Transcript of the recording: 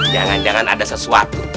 jangan jangan ada sesuatu